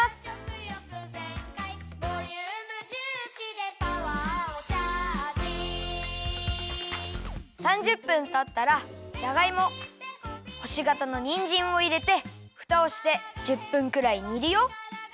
「ボリューム重視でパワーをチャージ」３０分たったらじゃがいもほしがたのにんじんをいれてふたをして１０分くらいにるよ。